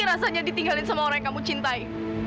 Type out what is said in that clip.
rasanya ditinggalin sama orang yang kamu cintai